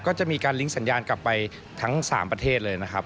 ก็จะมีการลิงก์สัญญาณกลับไปทั้ง๓ประเทศเลยนะครับ